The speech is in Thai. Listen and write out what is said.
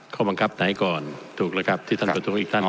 ข้อบังคับไหนก่อนถูกแล้วครับที่ท่านประท้วงอีกท่าน